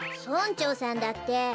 村長さんだって。